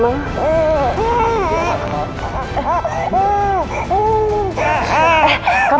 mama di rumah aku mau